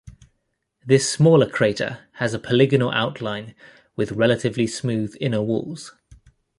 This smaller crater has a polygonal outline with relatively smooth inner walls.